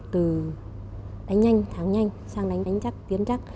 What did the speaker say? từ đánh nhanh thắng nhanh sang đánh đánh chắc tiến chắc